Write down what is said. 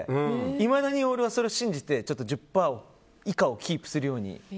いまだに俺はそれを信じて１０％以下をキープするように。